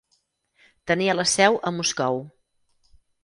Tenia la seu a Moscou.